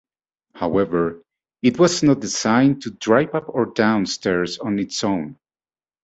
However, it was not designed to drive up or down stairs on its own.